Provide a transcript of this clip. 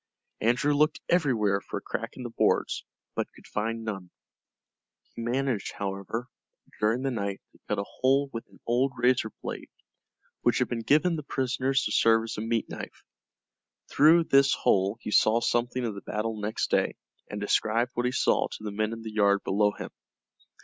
Andrew looked everywhere for a crack in the boards, but could find none. He managed, however, during the night to cut a hole with an old razor blade which had been given the prisoners to serve as a meat knife. Through this hole he saw something of the battle next day, and described what he saw to the men in the yard below him.